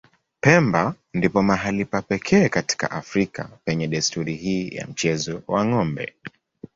Pemba ndipo mahali pa pekee katika Afrika penye desturi hii ya mchezo wa ng'ombe.